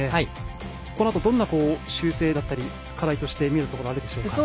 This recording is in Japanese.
このあと、どんな修正だったり課題として見るところがあるでしょうか。